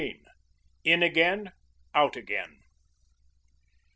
IN AGAIN OUT AGAIN.